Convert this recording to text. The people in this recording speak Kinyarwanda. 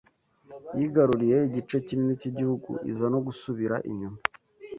yigaruriye igice kinini cy’igihugu iza no gusubira inyuma